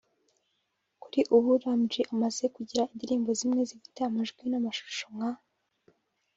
Kuri ubu Lam-G amaze kugira indirimbo zimwe zifite amajwi n’amashusho nka